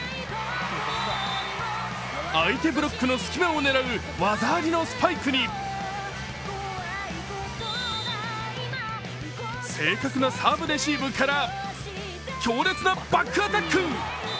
相手ブロックの隙間を埋める技ありのスパイクに正確なサーブ、レシーブから強烈なバックアタック。